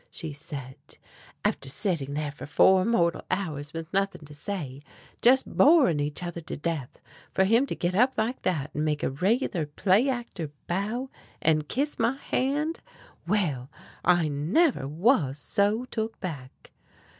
she said. "After setting there for four mortal hours with nothing to say, just boring each other to death, for him to get up like that and make a regular play actor bow, and kiss my hand! Well, I never was so took back!"